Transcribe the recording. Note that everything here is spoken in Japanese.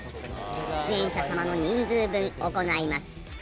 出演者様の人数分行います。